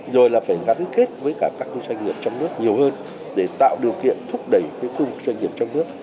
rồi là phải gắn kết với cả các doanh nghiệp trong nước nhiều hơn để tạo điều kiện thúc đẩy khu vực doanh nghiệp trong nước